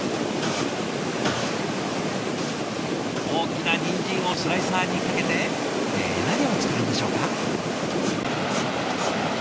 大きなにんじんをスライサーにかけてえ何を作るんでしょうか？